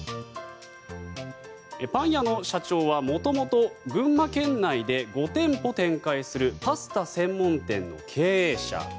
パン屋の社長は、もともと群馬県内で５店舗展開するパスタ専門店の経営者。